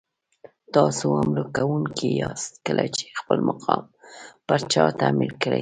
تاسو حمله کوونکي یاست کله چې خپل مقام پر چا تحمیل کړئ.